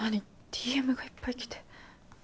ＤＭがいっぱい来て。